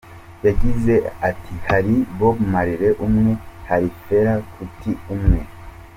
Yagize ati “Hari Bob Marley umwe, hari Fela Kuti umwe.